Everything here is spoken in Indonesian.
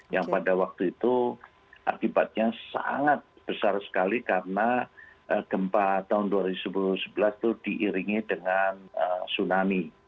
yang pada waktu itu akibatnya sangat besar sekali karena gempa tahun dua ribu sebelas itu diiringi dengan tsunami